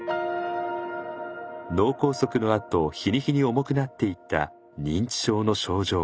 脳梗塞のあと日に日に重くなっていった認知症の症状。